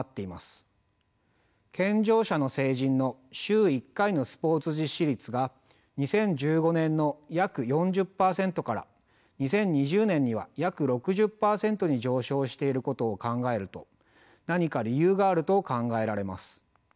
健常者の成人の週１回のスポーツ実施率が２０１５年の約４０％から２０２０年には約６０％に上昇していることを考えると何か理由があると考えられます。